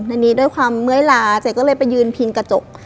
อันนี้ด้วยความเมื่อยลาเจ๊ก็เลยไปยืนพิงกระจก